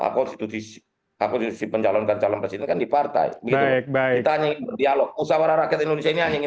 akun institusi pencalonkan calon presiden di partai baik baik